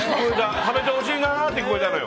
食べてほしいなって聞こえたね。